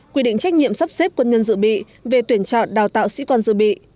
quy định trách nhiệm sắp xếp quân nhân dự bị về tuyển chọn đào tạo sĩ quan dự bị